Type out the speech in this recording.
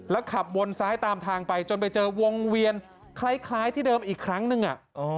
ขับวนซ้ายตามทางไปจนไปเจอวงเวียนคล้ายที่เดิมอีกครั้งหนึ่ง